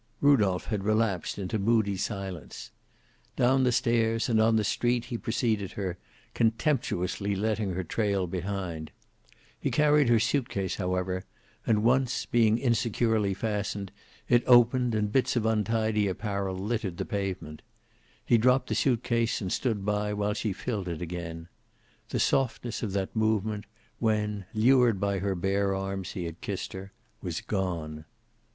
Rudolph had relapsed into moody silence. Down the stairs, and on the street he preceded her, contemptuously letting her trail behind. He carried her suitcase, however, and once, being insecurely fastened, it opened and bits of untidy apparel littered the pavement. He dropped the suitcase and stood by while she filled it again. The softness of that moment, when, lured by her bare arms he had kissed her, was gone.